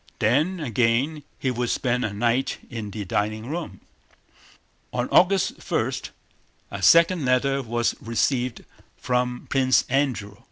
Then again he would spend a night in the dining room. On August 1, a second letter was received from Prince Andrew.